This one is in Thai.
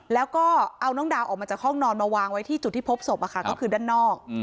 แล้วก็เอาน้องดาวออกมาจากห้องนอนมาวางไว้ที่จุดที่พบศพก็คือด้านนอก